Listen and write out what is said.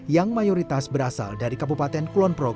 yang mayoritas berasal dari kabupaten kulonpro